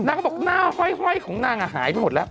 นางก็บอกนางห้อยของนางหายไปหมดแล้ว